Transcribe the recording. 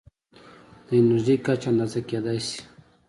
د انرژۍ کچه اندازه کېدای شي.